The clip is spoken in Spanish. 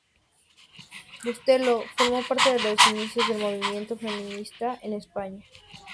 Bustelo formó parte de los inicios del movimiento feminista en España.